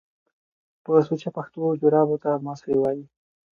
په سوچه پښتو جرابو ته ماسۍ وايي